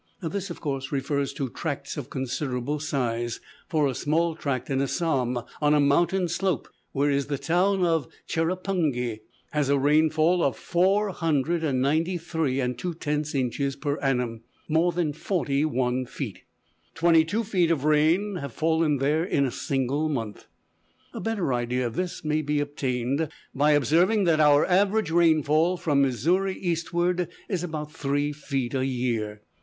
This, of course, refers to tracts of considerable size; for a small tract in Assam, on a mountain slope, where is the town of Cherrapungee, has a rainfall of four hundred and ninety three and two tenth inches per annum more than forty one feet! Twenty two feet of rain have fallen there in a single month! A better idea of this may be obtained by observing that our average rainfall, from Missouri eastward, is about three feet a year.